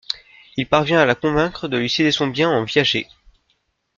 Il parvient à la convaincre de lui céder son bien en viager.